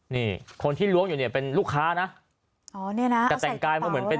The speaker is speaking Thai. นี่คนที่ล้วงอยู่เนี่ยเป็นลูกค้านะอ๋อเนี่ยนะแต่แต่งกายมาเหมือนเป็น